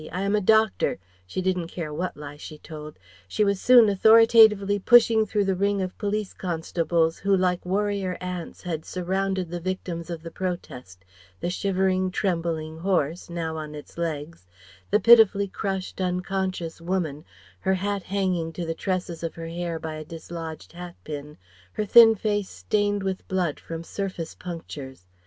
I am a doctor" she didn't care what lie she told she was soon authoritatively pushing through the ring of police constables who like warrior ants had surrounded the victims of the protest the shivering, trembling horse, now on its legs, the pitifully crushed, unconscious woman her hat hanging to the tresses of her hair by a dislodged hat pin, her thin face stained with blood from surface punctures.